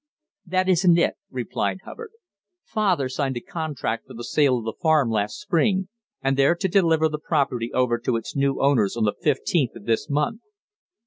"That isn't it," replied Hubbard. "Father signed a contract for the sale of the farm last spring, and they're to deliver the property over to its new owners on the fifteenth of this month.